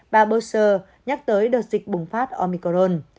bà bowser nhắc tới đợt dịch bùng phát omicron